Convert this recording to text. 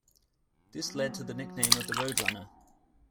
This led to the nickname of the Roadrunner.